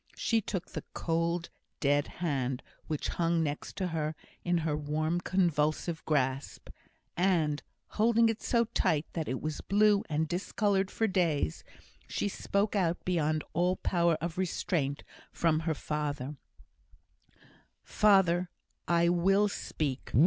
She took the cold, dead hand which hung next to her in her warm convulsive grasp, and holding it so tight that it was blue and discoloured for days, she spoke out beyond all power of restraint from her father. "Father, I will speak.